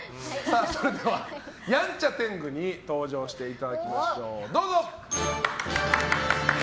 それではやんちゃ天狗に登場していただきましょう。